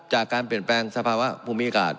จากการเปลี่ยนแปลงสภาวะภูมิอากาศ